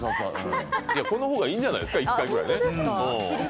この方がいいんじゃないですか、１回ぐらい。